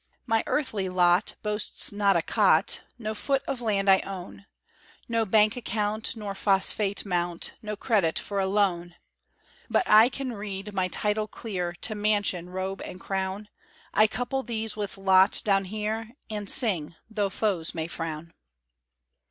My earthly lot boasts not a cot, No foot of land I own, No bank account nor phosphate mount, Nor credit for a loan; But I can read my title clear To mansion, robe, and crown; I couple these with lot down here, And sing, tho' foes may frown.